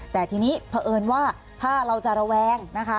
แต่ทีนี้เพราะเอิญว่าถ้าเราจะระแวงนะคะ